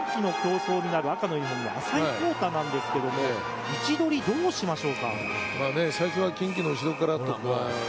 このレース、単騎の競争になる赤のユニホームの浅井康太なんですけど、位置取りはどうしましょうか？